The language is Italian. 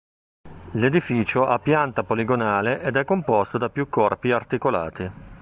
L'edificio ha pianta poligonale ed è composto da più corpi articolati.